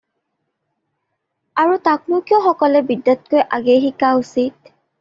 আৰু তাক নো কিয় সকলে বিদ্যাতকৈ আগেয়ে শিকা উচিত?